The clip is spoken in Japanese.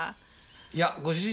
いやご主人